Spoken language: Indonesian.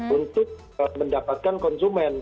untuk mendapatkan konsumen